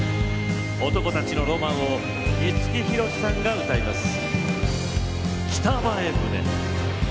男たちのロマンを五木ひろしさんが歌います。